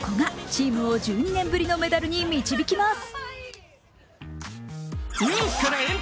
チームを１２年ぶりのメダルに導きます。